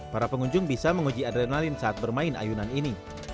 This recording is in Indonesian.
para pengunjung bisa menguji adrenalin saat bermain ayunan ini